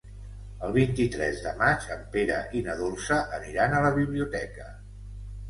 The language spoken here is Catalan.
El vint-i-tres de maig en Pere i na Dolça aniran a la biblioteca.